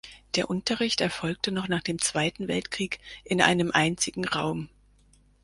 Der Unterricht erfolgte noch nach dem Zweiten Weltkrieg in einem einzigen Raum.